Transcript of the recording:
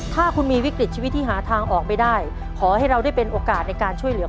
ถ้าคุณมีวิกฤตชีวิตที่หาทางออกไม่ได้ขอให้เราได้เป็นโอกาสในการช่วยเหลือ